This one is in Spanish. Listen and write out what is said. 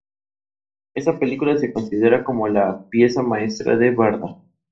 El arroyo Davies nace en los montañas Lamb y fluye hacia el río Barron.